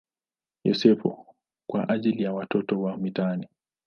Yosefu" kwa ajili ya watoto wa mitaani.